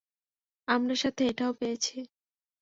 আমরা সাথে এটাও পেয়েছি।